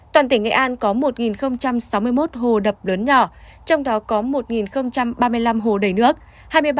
toàn tỉnh nghệ an có một sáu mươi một hồ đập lớn nhỏ trong đó có một ba mươi năm hồ đầy nước